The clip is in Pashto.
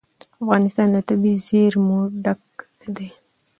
افغانستان له طبیعي زیرمې ډک دی.